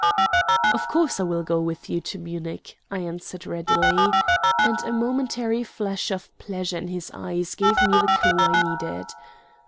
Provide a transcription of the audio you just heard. "Of course I will go with you to Munich," I answered readily; and a momentary flash of pleasure in his eyes gave me the clew I needed.